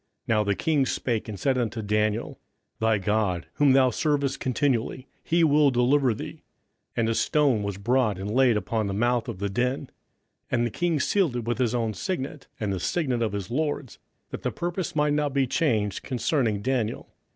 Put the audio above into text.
Now the king spake and said unto Daniel, Thy God whom thou servest continually, he will deliver thee. 27:006:017 And a stone was brought, and laid upon the mouth of the den; and the king sealed it with his own signet, and with the signet of his lords; that the purpose might not be changed concerning Daniel.